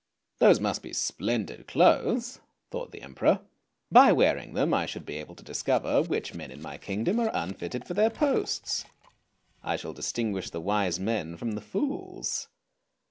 :< Those must be splendid clothes," thought the Emperor. " By wearing them I should be able to discover which men in my kingdom are unfitted for their posts. I shall distinguish the wise men from the fools.